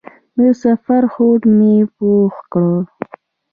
د سفر هوډ مې پوخ کړ.